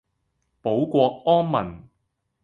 保國安民